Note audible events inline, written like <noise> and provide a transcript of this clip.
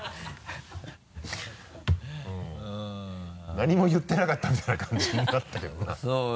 何も言ってなかったみたいな感じになったけどな <laughs>